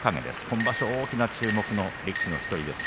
今場所大きな注目の力士の１人です。